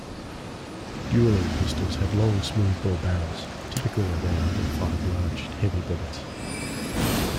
Duelling pistols had long smoothbore barrels - typically around and fired large, heavy bullets.